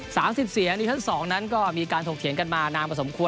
๓๐เสียงในชั้น๒นั้นก็มีการถกเถียงกันมานานประสมควร